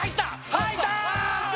入った！